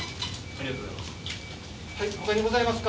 ありがとうございます。